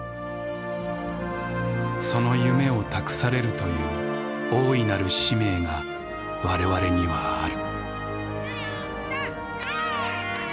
「その夢を託されるという大いなる使命が我々にはある」。